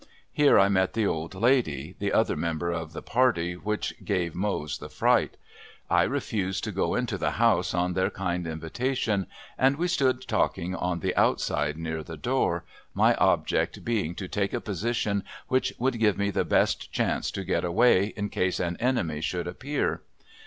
Here I met the old lady, the other member of the party which gave Mose the fright. I refused to go into the house on their kind invitation, and we stood talking on the outside near the door my object being to take a position which would give me the best chance to get away in case an enemy should appear.